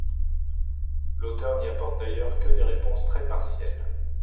L'auteur n'y apporte d'ailleurs que des réponses très partielles.